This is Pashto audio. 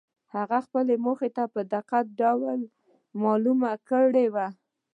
هغه خپله موخه په دقيق ډول معلومه کړې وه.